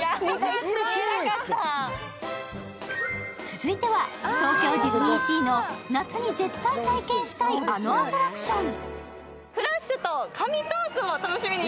続いては東京ディズニーシーの夏に絶対体験したい、あのアトラクション。